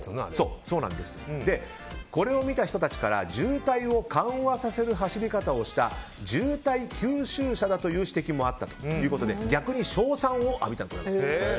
これを見た人たちが渋滞を緩和させる走りをした渋滞吸収車だという指摘もあったということで逆に称賛を浴びたと。